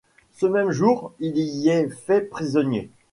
Ce même jour, il y est fait prisonnier.